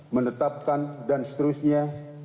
menetapkan dan seterusnya